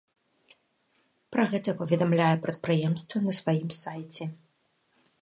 Пра гэта паведамляе прадпрыемства на сваім сайце.